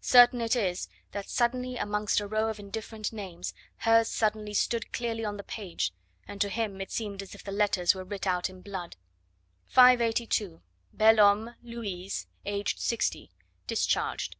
Certain it is that suddenly amongst a row of indifferent names hers suddenly stood clearly on the page, and to him it seemed as if the letters were writ out in blood. 582. Belhomme, Louise, aged sixty. Discharged.